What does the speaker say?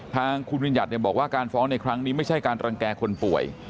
ทางคุณวิญญัติบอกว่าการฟ้องในครั้งนี้ไม่ใช่การรังแก่คนป่วย